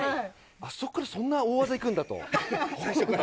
あそこからそんな大技いくんだと。